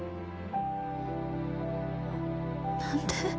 何で？